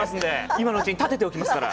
今のうちにたてておきますから。